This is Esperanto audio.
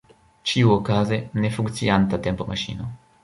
Ĉiuokaze, ne funkcianta tempomaŝino.